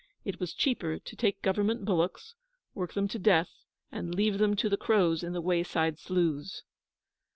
It was cheaper to take Government bullocks, work them to death, and leave them to the crows in the wayside sloughs.